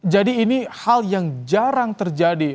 jadi ini hal yang jarang terjadi